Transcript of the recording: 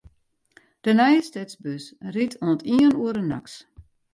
De nije stedsbus rydt oant iene oere nachts.